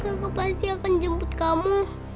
aku pasti akan jemput kamu